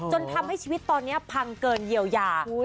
จนทำให้ชีวิตตอนนี้พังเกินเยียวยา